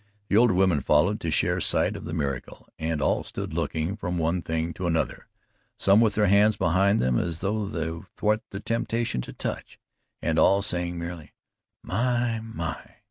The older women followed to share sight of the miracle, and all stood looking from one thing to another, some with their hands behind them as though to thwart the temptation to touch, and all saying merely: "My! My!"